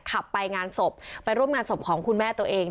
ขับไปงานศพไปร่วมงานศพของคุณแม่ตัวเอง